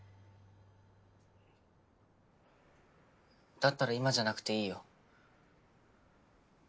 だったら今じゃなくていいよ。